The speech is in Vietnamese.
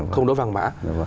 không đốt vàng mã